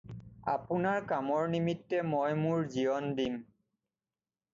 আপোনাৰ কামৰ নিমিত্তে মই মোৰ জীৱন দিম।